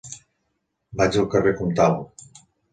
Vaig al carrer Comtal.